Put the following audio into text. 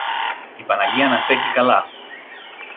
Η Παναγιά να σ' έχει καλά